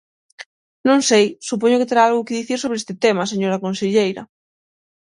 Non sei, supoño que terá algo que dicir sobre este tema, señora conselleira.